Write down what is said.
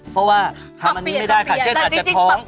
เพราะว่าทำอันนี้ไม่ได้ค่ะเช่นอาจจะท้อง